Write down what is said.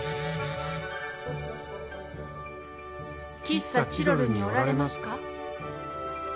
「喫茶チロルにおられますか？」。